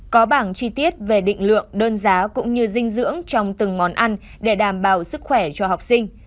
có bảng chi tiết về định lượng đơn giá cũng như dinh dưỡng trong từng món ăn để đảm bảo sức khỏe cho học sinh